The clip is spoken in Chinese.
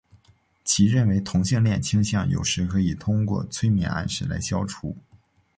其认为同性恋倾向有时可以通过催眠暗示来消除。